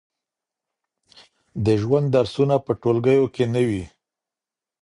د ژوند درسونه په ټولګیو کې نه وي.